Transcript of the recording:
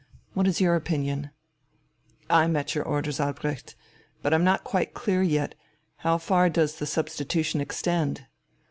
What is your opinion?" "I'm at your orders, Albrecht. But I'm not quite clear yet. How far does the substitution extend?"